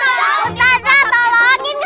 ustadzah tolongin dia